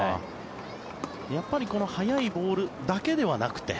やっぱり速いボールだけではなくて。